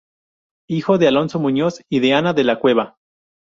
Hijo de Alonso Muñoz y de Ana de la Cueva.